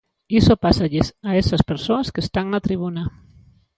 Iso pásalles a esas persoas que están na tribuna.